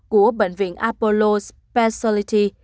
của bệnh viện apollo specialty